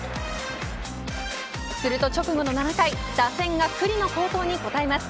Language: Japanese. すると、直後の７回打線が九里の好投に応えます。